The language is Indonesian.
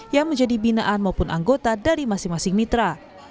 yang menjadi binaan maupun anggota dari masing masing mitra